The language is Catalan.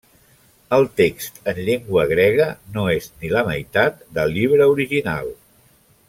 El text en llengua grega, no és ni la meitat del llibre original.